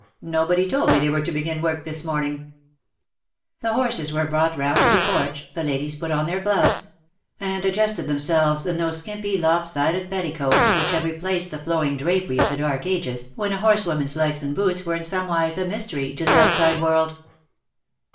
Nobody told me they were to begin work this morning/^ The horses were brought round to the porch, the ladies put on their gloves, and adjusted them selves in those skimpy lop sided petticoats which have replaced the flowing drapery of the dark ages when a horsewoman^s legs and boots were in some wise a mystery to the outside world.